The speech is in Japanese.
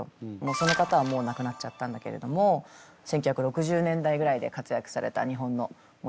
その方はもう亡くなっちゃったんだけれども１９６０年代ぐらいで活躍された日本のモデルさんで。